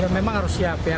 memang harus siap ya